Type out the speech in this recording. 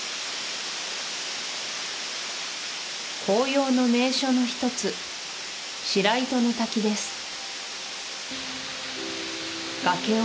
紅葉の名所の一つ白糸の滝です